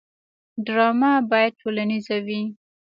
ډرامه باید ټولنیزه وي